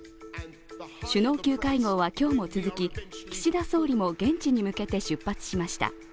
首脳級会合は今日も続き、岸田総理も現地に向けて出発しました。